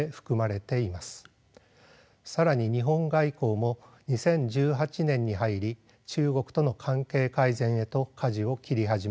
更に日本外交も２０１８年に入り中国との関係改善へとかじを切り始めました。